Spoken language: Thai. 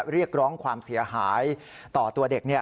เรียกร้องความเสียหายต่อตัวเด็ก